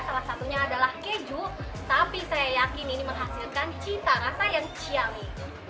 salah satunya adalah keju tapi saya yakin ini menghasilkan cita rasa yang ciami